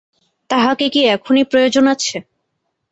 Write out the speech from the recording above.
তাঁহাকে কি এখনি প্রয়োজন আছে?